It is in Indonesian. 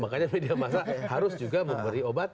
makanya media masa harus juga memberi obat